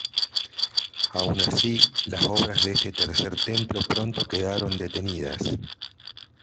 Aun así, las obras de este tercer templo pronto quedaron detenidas.